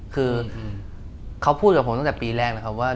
คือเขาพูดกับผมตั้งแต่ปีแรกนะครับว่า